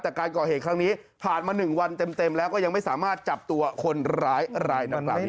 แต่การก่อเหตุครั้งนี้ผ่านมา๑วันเต็มแล้วก็ยังไม่สามารถจับตัวคนร้ายรายดังกล่าว